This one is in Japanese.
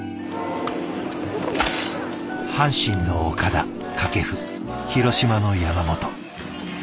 阪神の岡田掛布広島の山本。